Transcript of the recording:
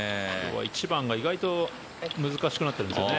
１番が意外と難しくなってるんですよね。